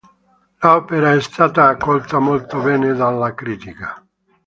L'opera è stata accolta molto bene dalla critica.